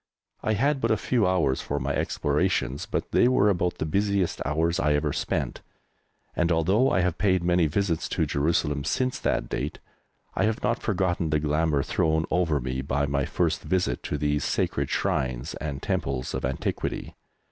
I had but a few hours for my explorations, but they were about the busiest hours I ever spent, and although I have paid many visits to Jerusalem since that date I have not forgotten the glamour thrown over me by my first visit to these sacred shrines and temples of antiquity.